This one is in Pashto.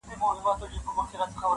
پر كورونو د بلا- ساه ده ختلې-